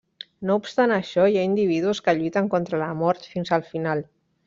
No obstant això, hi ha individus que lluiten contra la mort fins al final.